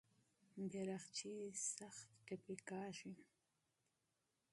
بیرغچی سخت زخمي کېږي.